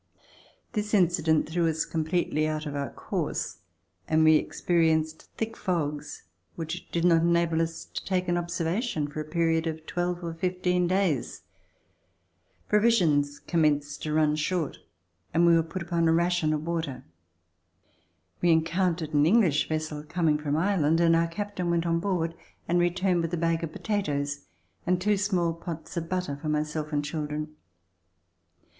This incident threw us completely out of our course, and we experienced thick fogs which did not enable us to take an observation for a period of twelve or fifteen days. Provisions commenced to run short and we were put upon a ration of water. We encountered an English vessel coming from Ireland and our cap tain went on board and returned with a bag of potatoes and two small pots of butter for myself and children.